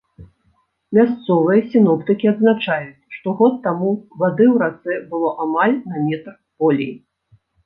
Мясцовыя сіноптыкі адзначаюць, што год таму вады ў рацэ было амаль на метр болей.